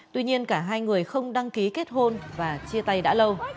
tuy nhiên cả hai người không đăng ký kết hôn và chia tay đã lâu